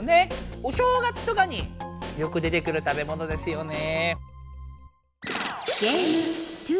お正月とかによく出てくるたべものですよね。